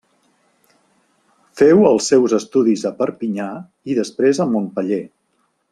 Feu els seus estudis a Perpinyà i després a Montpeller.